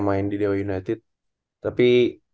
main di dewa united tapi